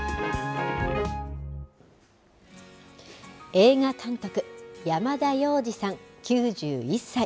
映画監督、山田洋次さん９１歳。